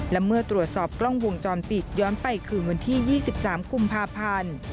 และเมื่อตรวจสอบกล้องวงจรปิดย้อนไปคืนวันที่๒๓กุมภาพันธ์